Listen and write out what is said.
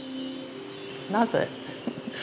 なぜ？